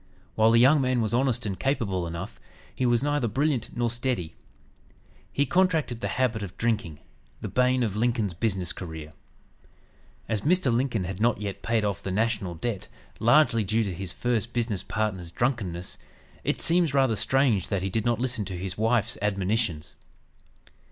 While the young man was honest and capable enough, he was neither brilliant nor steady. He contracted the habit of drinking, the bane of Lincoln's business career. As Mr. Lincoln had not yet paid off "the national debt" largely due to his first business partner's drunkenness, it seems rather strange that he did not listen to his wife's admonitions.